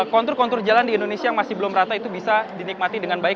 kontur kontur jalan di indonesia yang masih belum rata itu bisa dinikmati dengan baik